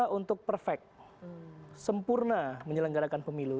kita untuk perfect sempurna menyelenggarakan pemilu